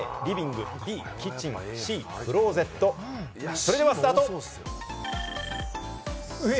それではスタート！